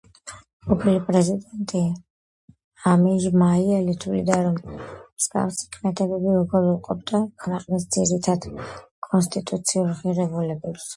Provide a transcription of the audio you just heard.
ყოფილი პრეზიდენტი ამინ ჟმაიელი თვლიდა, რომ მსგავსი ქმედებები უგულვებელყოფდა ქვეყნის ძირითად კონსტიტუციურ ღირებულებებს.